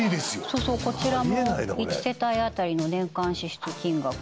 そうそうこちらも１世帯あたりの年間支出金額